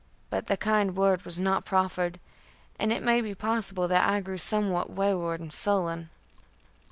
But the kind word was not proffered, and it may be possible that I grew somewhat wayward and sullen.